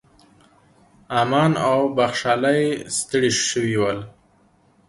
امان او بخشالۍ ستړي شوي ول.